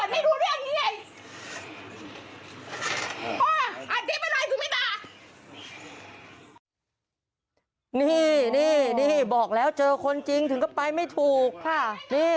นะครับนี่นี่นี่บอกแล้วเจอคนจริงถึงก็ไปไม่ถูกค่ะนี่